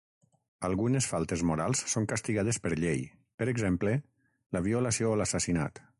Algunes faltes morals són castigades per llei, per exemple, la violació o l'assassinat.